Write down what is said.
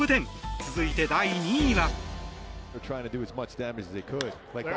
続いて、第２位は。